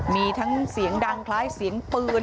มีทั้งเสียงดังคล้ายเสียงปืน